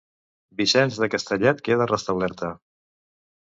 Vicenç de Castellet queda restablerta.